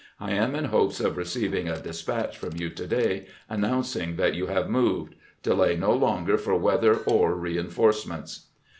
I am in hopes of receiving a despatch from you to day announcing that you have moved. Delay no longer for weather or reinforce ments."